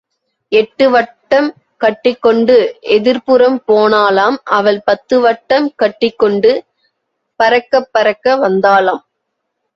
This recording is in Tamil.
எட்டு வட்டம் கட்டிக் கொண்டு எதிர்ப்புறம் போனாளாம் அவள் பத்து வட்டம் கட்டிக் கொண்டு பரக்கப் பரக்க வந்தாளாம்.